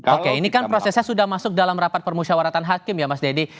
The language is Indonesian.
oke ini kan prosesnya sudah masuk dalam rapat permusyawaratan hakim ya mas deddy